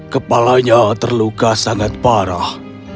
kepalanya terluka sangat parah